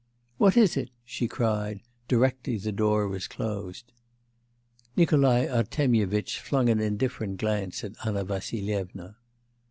'What is it?' she cried, directly the door was closed. Nikolai Artemyevitch flung an indifferent glance at Anna Vassilyevna.